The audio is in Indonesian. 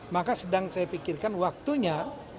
maka sedang saya pikirkan waktunya